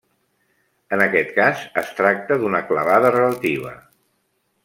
En aquest cas, es tracta d'una clavada relativa.